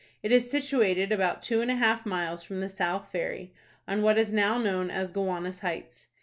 It is situated about two and a half miles from the South Ferry, on what is now known as Gowanus Heights.